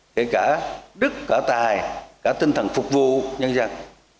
kể cả đức cả tài cả tinh thần phục vụ nhân dân